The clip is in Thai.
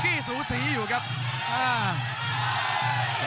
คมทุกลูกจริงครับโอ้โห